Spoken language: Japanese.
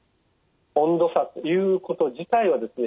温度差ということ自体はですね